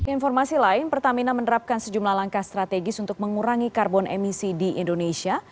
informasi lain pertamina menerapkan sejumlah langkah strategis untuk mengurangi karbon emisi di indonesia